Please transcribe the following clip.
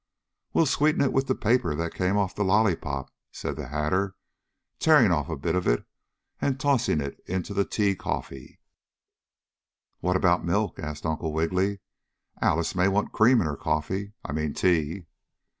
"We'll sweeten it with the paper that came off the lollypop," said the Hatter, tearing off a bit of it and tossing it into the tea coffee. "What about milk?" asked Uncle Wiggily. "Alice may want cream in her coffee I mean tea."